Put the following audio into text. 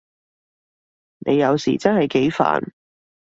你有時真係幾煩